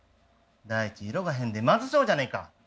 第一色が変でまずそうじゃねえか。